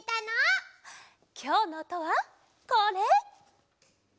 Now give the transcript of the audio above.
きょうのおとはこれ！